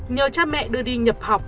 nhờ cha mẹ đưa đi nhập học